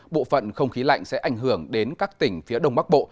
bộ phận không khí lạnh sẽ ảnh hưởng đến các tỉnh phía đông bắc bộ